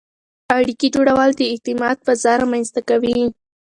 اړیکې جوړول د اعتماد فضا رامنځته کوي.